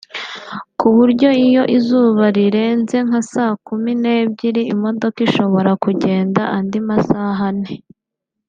ku buryo iyo izuba rirenze nka saa kumi n’ebyiri imodoka ishobora kugenda andi masaha ane